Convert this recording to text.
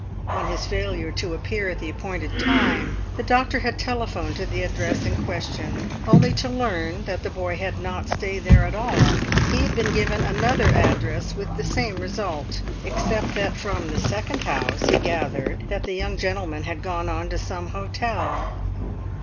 On his failure to appear at the appointed time, the doctor had telephoned to the address in question, only to learn that the boy had not stayed there at all. He had been given another address with the same result, except that from the second house he gathered that the young gentleman had gone on to some hotel.